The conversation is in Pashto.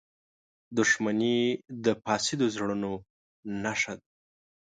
• دښمني د فاسدو زړونو نښه ده.